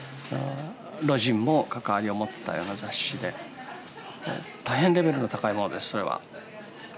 魯迅も関わりを持ってたような雑誌で大変レベルの高いものですそれは。